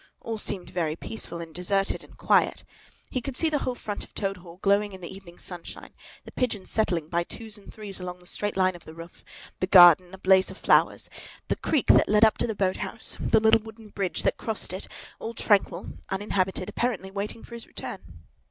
All seemed very peaceful and deserted and quiet. He could see the whole front of Toad Hall, glowing in the evening sunshine, the pigeons settling by twos and threes along the straight line of the roof; the garden, a blaze of flowers; the creek that led up to the boat house, the little wooden bridge that crossed it; all tranquil, uninhabited, apparently waiting for his return.